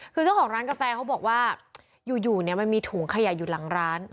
คือเจ้าของร้านกาแฟเขาบอกว่าอยู่เนี่ยมันมีถุงขยะอยู่หลังร้าน